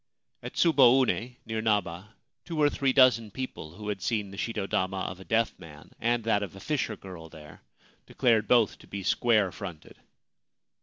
At Tsuboune, near Naba, two or three dozen people who had seen the shito dama of a deaf man and that of a fisher girl there declared both to be square fronted.